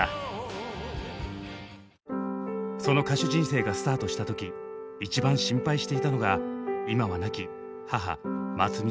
その歌手人生がスタートした時一番心配していたのが今は亡き母まつみさん。